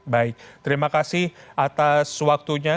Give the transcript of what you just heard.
baik terima kasih atas waktunya